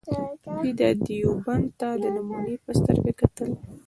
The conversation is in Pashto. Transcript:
دوی دیوبند ته د نمونې په سترګه کتل.